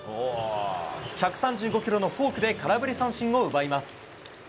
１３５キロのフォークで空振り三振を奪います。